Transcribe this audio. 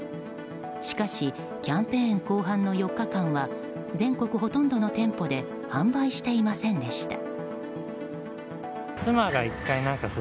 しかし、キャンペーン後半の４日間は全国ほとんどの店舗で販売していませんでした。